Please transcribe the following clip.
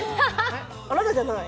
あなたじゃない。